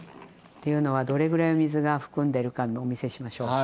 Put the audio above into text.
っていうのはどれぐらいの水が含んでるかお見せしましょう。